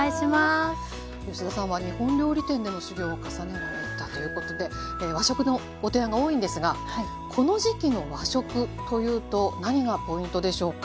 吉田さんは日本料理店での修業を重ねられたということで和食のご提案が多いんですがこの時期の和食というと何がポイントでしょうか？